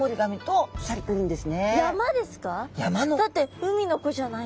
だって海の子じゃない？